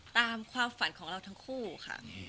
ตามความฝันของเราทั้งคู่ค่ะ